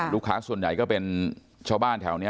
ลูกค้าส่วนใหญ่ก็เป็นชาวบ้านแถวนี้